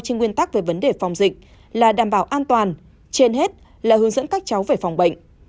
trên nguyên tắc về vấn đề phòng dịch là đảm bảo an toàn trên hết là hướng dẫn các cháu về phòng bệnh